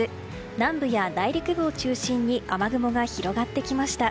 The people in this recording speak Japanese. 南部や内陸部を中心に雨雲が広がってきました。